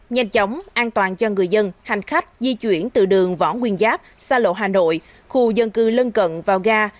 nhanh chóng an toàn cho người dân hành khách di chuyển từ đường võ nguyên giáp xa lộ hà nội khu dân cư lân cận vào ga